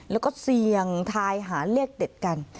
แล้วก็เสี่ยงทายหาเลขเด็ดกัน